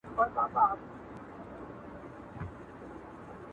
نیلی مړ سو دښمن مات سو تښتېدلی -